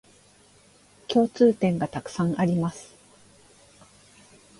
共通点がたくさんあります